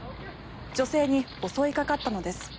女性に襲いかかったのです。